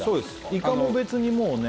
イカも別にもうね